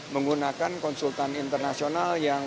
menggunakan konsultan internasional yang